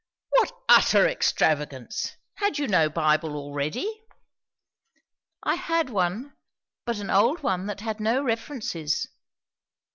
"What utter extravagance! Had you no Bible already?" "I had one, but an old one that had no references."